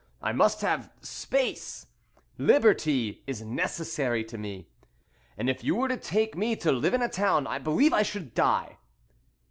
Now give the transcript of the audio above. I must have space; liberty is necessary to me, and if you were to take me to live in a town I believe I should die."